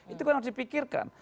itu kan harus dipikirkan